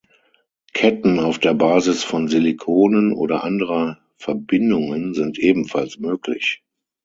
Ketten auf der Basis von Silikonen oder anderer Verbindungen sind ebenfalls möglich.